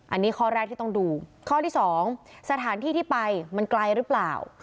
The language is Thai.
อันนี้ข้อแรกที่ต้องดูข้อที่๒สถานที่ที่ไปมันไกลหรือเปล่า